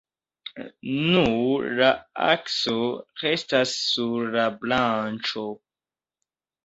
Nur la akso restas sur la branĉo.